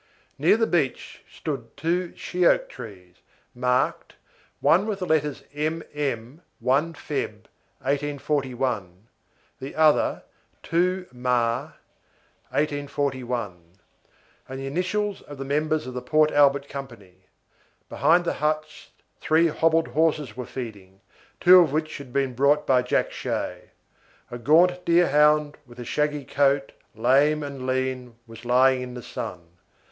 Near the beach stood two she oak trees, marked, one with the letters M. M., 1 Feb., 1841, the other 2 Mar., 1841, and the initials of the members of the Port Albert Company. Behind the huts three hobbled horses were feeding, two of which had been brought by Jack Shay. A gaunt deerhound, with a shaggy coat, lame and lean, was lying in the sun.